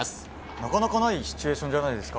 なかなかないシチュエーションじゃないですか？